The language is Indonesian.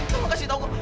kamu kasih tahu aku